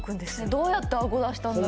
どうやって顎出したんだろ